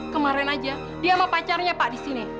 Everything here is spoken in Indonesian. kemarin aja dia sama pacarnya pak di sini